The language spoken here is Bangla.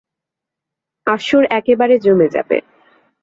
আসর একেবারে জমে যাবে।